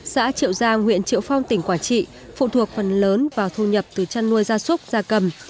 xã triệu giang huyện triệu phong tỉnh quảng trị phụ thuộc phần lớn vào thu nhập từ chăn nuôi gia súc gia cầm